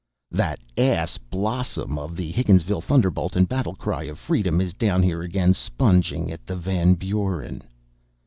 That ass, Blossom, of the Higginsville Thunderbolt and Battle Cry of Freedom, is down here again sponging at the Van Buren.